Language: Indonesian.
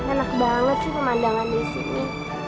enak banget pemandangan disini